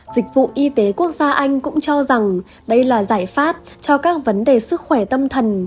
dịch vụ y tế quốc gia anh cũng cho rằng đây là giải pháp cho các vấn đề sức khỏe tâm thần